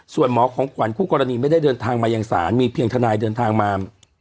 ส่วนหมอของขวัญคู่กรณีไม่ได้เดินทางมายังศาลมีเพียงทนายเดินทางมา